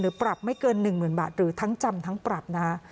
หรือปรับไม่เกินหนึ่งหมื่นบาทหรือทั้งจำทั้งปรับ